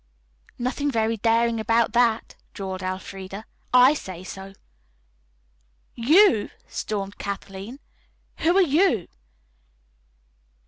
"Nothing very daring about that," drawled Elfreda. "I say so." "You," stormed Kathleen. "Who are you?"